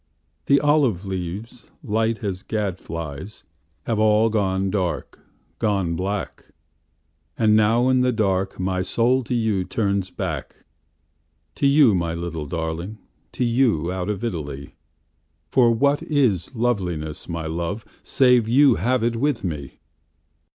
The olive leaves, light as gad flies, Have all gone dark, gone black. And now in the dark my soul to youTurns back. To you, my little darling, To you, out of Italy.For what is loveliness, my love, Save you have it with me!